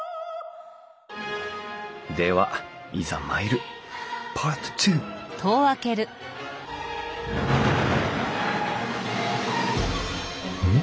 ではいざ参るパート２うん？